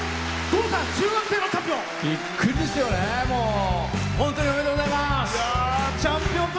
郷さん、中学生のチャンピオン。